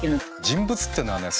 人物っていうのはね